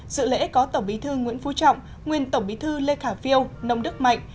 dự lễ có tổng bí thư nguyễn phú trọng nguyên tổng bí thư lê khả phiêu nông đức mạnh